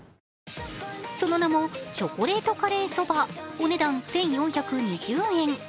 その名もチョコレートカレー蕎麦、お値段１４２０円。